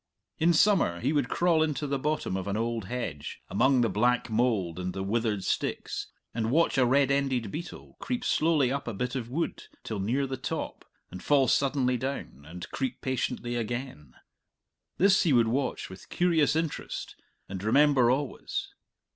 In summer he would crawl into the bottom of an old hedge, among the black mould and the withered sticks, and watch a red ended beetle creep slowly up a bit of wood till near the top, and fall suddenly down, and creep patiently again this he would watch with curious interest and remember always.